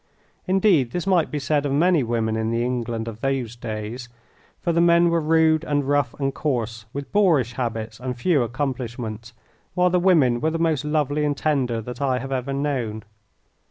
Indeed, this might be said of many women in the England of those days, for the men were rude and rough and coarse, with boorish habits and few accomplishments, while the women were the most lovely and tender that I have ever known.